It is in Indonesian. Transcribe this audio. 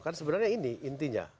kan sebenarnya ini intinya